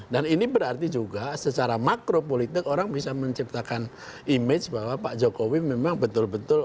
dan ini berarti juga secara makropolitik orang bisa menciptakan image bahwa pak jokowi memang betul betul